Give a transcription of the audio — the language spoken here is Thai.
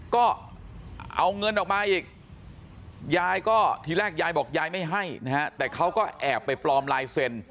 ก็เอาเงินออกมาอีกยายก็ทีแรกยายบอกยายไม่ให้นะฮะแต่เขาก็แอบไปปลอมลายเซ็น